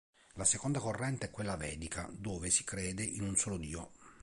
La seconda corrente è quella vedica, dove si crede in un solo dio.